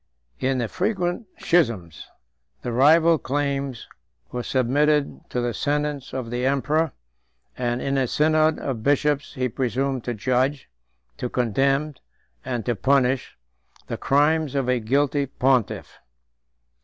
In the frequent schisms, the rival claims were submitted to the sentence of the emperor; and in a synod of bishops he presumed to judge, to condemn, and to punish, the crimes of a guilty pontiff.